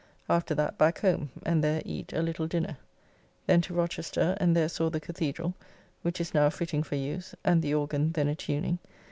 After that back home, and there eat a little dinner. Then to Rochester, and there saw the Cathedrall, which is now fitting for use, and the organ then a tuning.